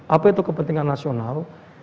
apa itu kepentingan nasional